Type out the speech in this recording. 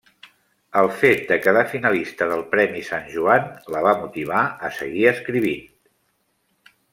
El fet de quedar finalista del Premi Sant Joan, la va motivar a seguir escrivint.